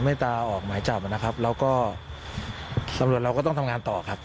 ตาออกหมายจับนะครับแล้วก็ตำรวจเราก็ต้องทำงานต่อครับ